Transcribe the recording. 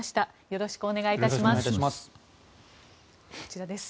よろしくお願いします。